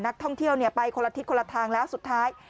นักท่องเที่ยวไปคนละทิศคนละทางแล้วสุดท้าย